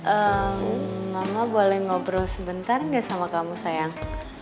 eh mama boleh ngobrol sebentar gak sama kamu sayang